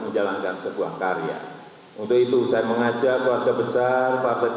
wassalamu'alaikum warahmatullahi wabarakatuh